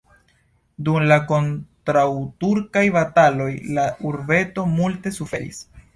Dum la kontraŭturkaj bataloj la urbeto multe suferis.